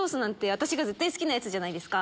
私が絶対好きなやつじゃないですか。